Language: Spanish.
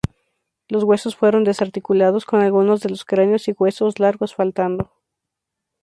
Los huesos fueron desarticulados con algunos de los cráneos y huesos largos faltando.